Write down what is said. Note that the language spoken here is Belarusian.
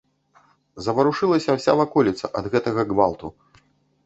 Заварушылася ўся ваколіца ад гэтага гвалту.